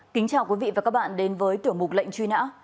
kính chào quý vị và các bạn đến với tiểu mục lệnh truy nã